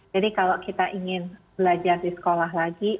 jadi kalau kita ingin belajar di sekolah lagi